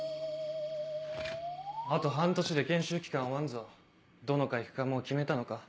あと半年で研修期間終わんぞどの科行くかもう決めたのか？